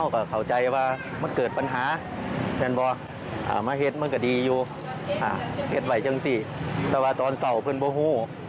มันก็อาจจะทำนั้นไปที่สีใหม่แต่ตอนสาวไม่รู้